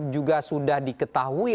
juga sudah diketahui